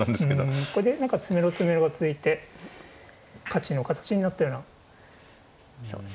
うんこれで何か詰めろ詰めろが続いて勝ちの形になったような印象があります。